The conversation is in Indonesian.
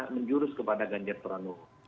menjurus kepada ganjad pranowo